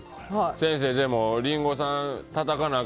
先生リンゴさん、たたかなあ